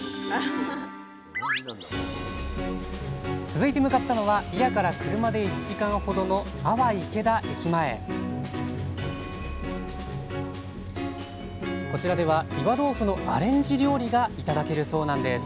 続いて向かったのは祖谷から車で１時間ほどの阿波池田駅前こちらでは岩豆腐のアレンジ料理が頂けるそうなんです